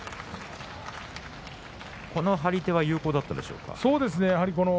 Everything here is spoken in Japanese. この張り手は有効だったですか？